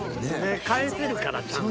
［返せるからちゃんと］